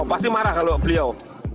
pasti marah kalau beliau